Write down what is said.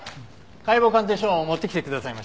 解剖鑑定書を持ってきてくださいました。